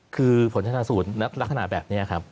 คือผลชาติศูนย์ลักษณะแบบนี้ครับ